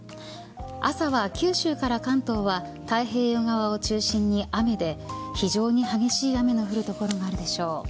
朝は九州から関東は太平洋側を中心に雨で非常に激しい雨の降る所があるでしょう。